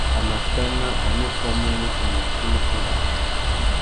A mà tana a nu famú mutu môchï nutu râā.